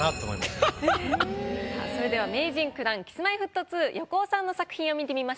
さあそれでは名人９段Ｋｉｓ−ＭｙーＦｔ２横尾さんの作品を見てみましょう。